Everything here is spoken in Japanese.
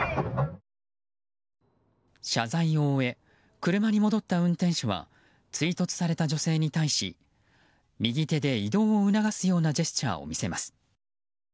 謝罪を終え車に戻った運転手は追突された女性に対し右手で移動を促すようなジェスチャーを見せます。